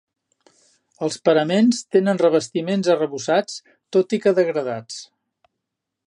Els paraments tenen revestiments arrebossats, tot i que degradats.